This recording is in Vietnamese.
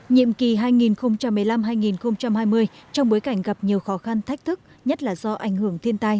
nhiệm kỳ hai nghìn một mươi năm hai nghìn hai mươi trong bối cảnh gặp nhiều khó khăn thách thức nhất là do ảnh hưởng thiên tai